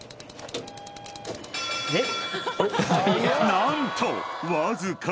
［何とわずか７秒！］